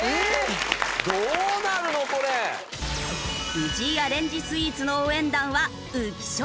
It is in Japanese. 藤井アレンジスイーツの応援団は浮所。